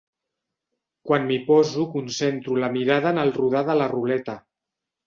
Quan m'hi poso concentro la mirada en el rodar de la ruleta.